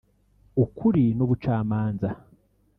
ukuri n’ubucamanza